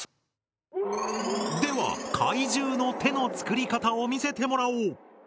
では怪獣の手の作り方を見せてもらおう。